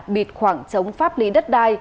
bịt khoảng chống pháp lý đất đai